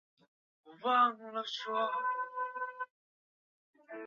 父亲勃艮地公爵是路易十四独子高大的王太子路易的长子。